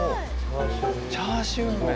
チャーシューメン。